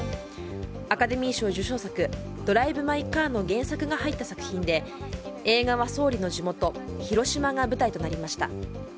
アカデミー賞受賞作「ドライブ・マイ・カー」の原作が入った作品で映画は総理の地元広島が舞台となりました。